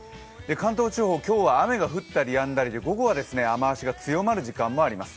関東地方、今日は雨が降ったりやんだりで午後は雨足が強まる時間もあります。